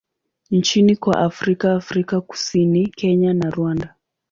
nchini kwa Afrika Afrika Kusini, Kenya na Rwanda.